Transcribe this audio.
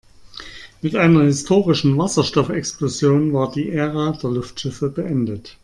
Mit einer historischen Wasserstoffexplosion war die Ära der Luftschiffe beendet.